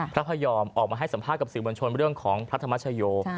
พระพยอมออกมาให้สัมภาษณ์กับสื่อมวลชนเรื่องของพระธรรมชโย